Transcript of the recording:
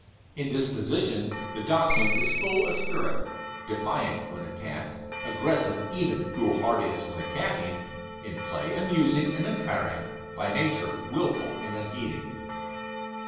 In disposition the Dachshund is full of spirit, defiant when attacked, aggressive even to foolhardiness when attacking; in play amusing and untiring; by nature wilful and unheeding.